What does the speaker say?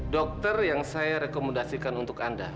dokter yang saya rekomendasikan untuk anda